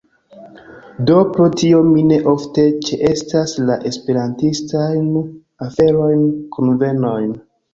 Do, pro tio mi ne ofte ĉeestas la Esperantistajn aferojn, kunvenojn